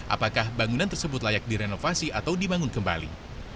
apakah bangunan tersebut layak direnovasi atau dibangun kembali